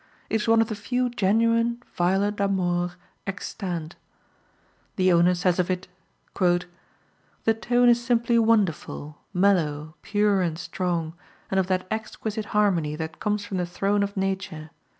It is one of the few genuine viola d'amores extant. The owner says of it: "The tone is simply wonderful, mellow, pure and strong, and of that exquisite harmony that comes from the throne of Nature.